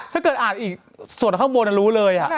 ถ้าเกิดอ่านอีกส่วนข้างบนรู้เลย